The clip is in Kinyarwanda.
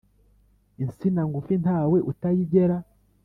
Insina ngufi ntawe utayigera.